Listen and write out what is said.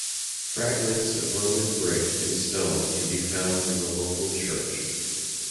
Fragments of Roman brick and stone can be found in the local church.